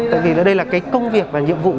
tại vì nó đây là cái công việc và nhiệm vụ